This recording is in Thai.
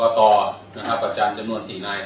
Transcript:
อันนี้มีเหตุการณ์ล้อมธรรมิเหตุครั้งหนึ่ง